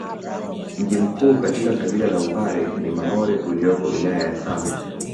Mji mkuu katika kabila la upare ni maore ulioko wilaya ya same